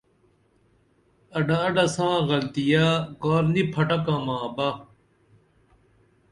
اڈہ اڈہ ساں غلطیہ کار نی پھٹکامبہ